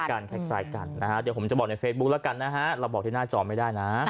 กันคล้ายกันนะฮะเดี๋ยวผมจะบอกในเฟซบุ๊คแล้วกันนะฮะเราบอกที่หน้าจอไม่ได้นะ